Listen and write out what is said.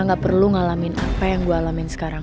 gak perlu ngalamin apa yang gue alamin sekarang